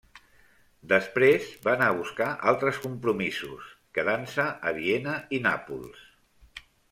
Després va anar a buscar altres compromisos, quedant-se a Viena i Nàpols.